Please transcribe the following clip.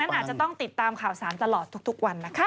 อาจจะต้องติดตามข่าวสารตลอดทุกวันนะคะ